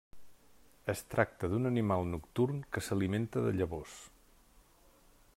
Es tracta d'un animal nocturn que s'alimenta de llavors.